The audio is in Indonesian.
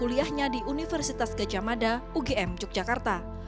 pada cuiahnya di universitas kajamada ugm yogyakarta